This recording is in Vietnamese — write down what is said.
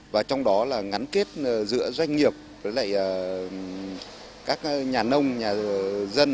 và trong đó là ngắn kết giữa doanh nghiệp với lại các nhà nông nhà dân